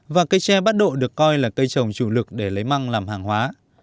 và cây tre bắt độ được coi là cây trồng chủ lực để lấy măng làm hàng hóa